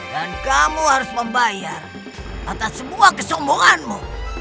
dan kamu harus membayar atas semua kesombonganmu